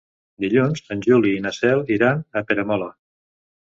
Dilluns en Juli i na Cel iran a Peramola.